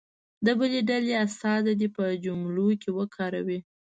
د بلې ډلې استازی دې په جملو کې وکاروي.